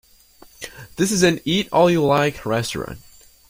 This is an Eat All You Like restaurant.